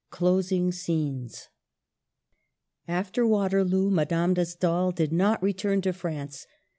CLOSING SCENES. After Waterloo, Madame de Stael did not return to France.